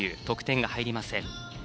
得点が入りません。